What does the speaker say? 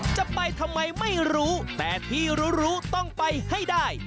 จะไปทำไมไม่รู้แต่ที่รู้รู้ต้องไปให้ได้